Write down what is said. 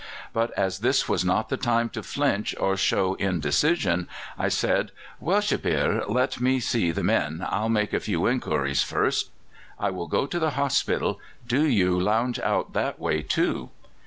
But as this was not the time to flinch or show indecision, I said: "'Well, Shebbeare, let me see the men. I'll make a few inquiries first. I will go to the hospital. Do you lounge out that way too.